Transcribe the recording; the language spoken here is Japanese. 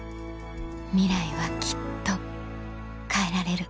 ミライはきっと変えられる